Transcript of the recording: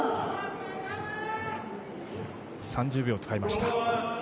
３０秒使いました。